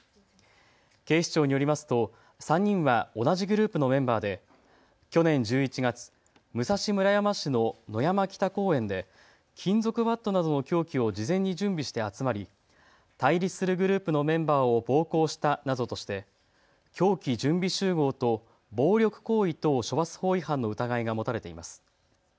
警視庁によりますと３人は同じグループのメンバーで去年１１月、武蔵村山市の野山北公園で金属バットなどの凶器を事前に準備して集まり対立するグループのメンバーを暴行したなどとして凶器準備集合と暴力行為等処罰法違反の疑いが持たれています。